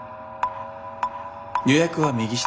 予約は右下。